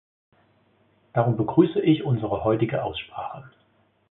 Darum begrüße ich unsere heutige Aussprache.